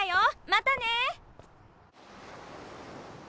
またね！